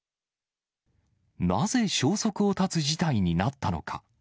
なぜ消息を絶つ事態になったのか。